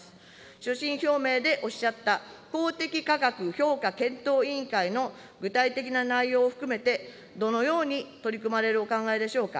所信表明でおっしゃった公的価格評価検討委員会の具体的な内容を含めて、どのように取り組まれるお考えでしょうか。